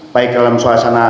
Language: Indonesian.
baik dalam suasana